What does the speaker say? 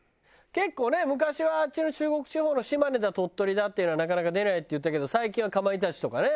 結構ね昔はあっちの中国地方の島根だ鳥取だっていうのはなかなか出ないっていったけど最近はかまいたちとかね